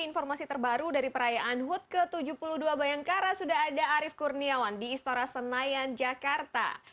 informasi terbaru dari perayaan hut ke tujuh puluh dua bayangkara sudah ada arief kurniawan di istora senayan jakarta